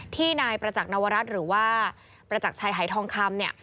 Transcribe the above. ที่นายประจักษณวรัฐหรือว่าประจักรชัยหายทองคำเนี่ย